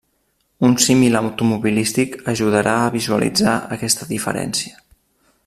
Un símil automobilístic ajudarà a visualitzar aquesta diferència.